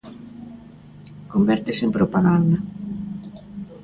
Convértese en propaganda.